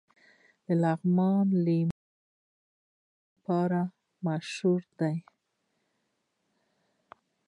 د لغمان لیمو د اوبو لپاره مشهور دي.